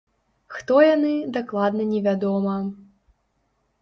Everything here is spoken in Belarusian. Хто яны, дакладна невядома.